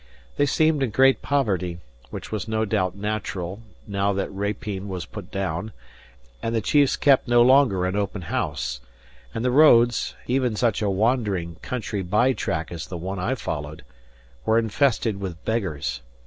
They seemed in great poverty; which was no doubt natural, now that rapine was put down, and the chiefs kept no longer an open house; and the roads (even such a wandering, country by track as the one I followed) were infested with beggars.